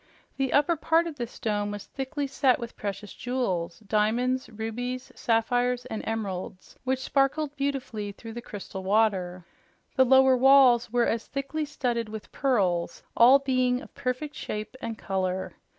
The upper part of this dome was thickly set with precious jewels diamonds, rubies, sapphires and emeralds, which sparkled beautifully through the crystal water. The lower walls were as thickly studded with pearls, all being of perfect shape and color.